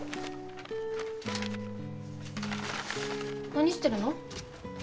何してるの？